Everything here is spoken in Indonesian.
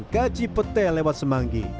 ke cipete lewat semanggi